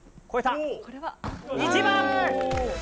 １番！